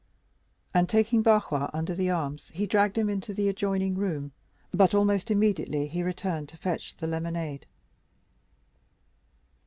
And taking Barrois under the arms, he dragged him into an adjoining room; but almost immediately he returned to fetch the lemonade.